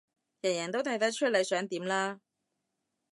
人人都睇得出你想點啦